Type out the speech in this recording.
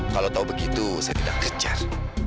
kalau tahu begitu saya tidak kecer